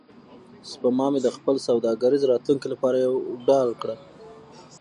سپما مې د خپل سوداګریز راتلونکي لپاره یوه ډال کړه.